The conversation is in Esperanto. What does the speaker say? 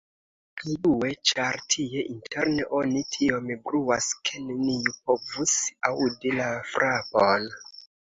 Kaj due, ĉar tie interne oni tiom bruas ke neniu povus aŭdi la frapon.